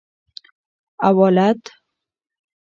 اوالد